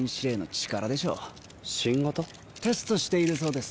テストしているそうです。